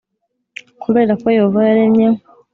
Kubera ko Yehova yaremye